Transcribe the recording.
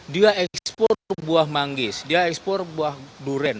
dia ekspor buah manggis dia ekspor buah durian